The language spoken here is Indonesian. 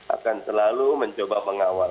akan selalu mencoba mengawal